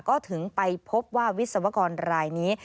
ก็ถึงไปพบว่าวิศวกรรายนี้